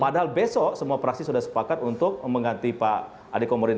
padahal besok semua praksi sudah sepakat untuk mengganti pak ade komarudin